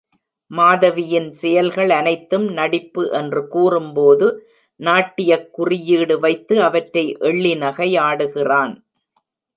மாதவியின் செயல்கள் அனைத்தும் நடிப்பு என்று கூறும்போது நாட்டியக் குறியீடு வைத்து அவற்றை எள்ளி நகையாடுகிறான்.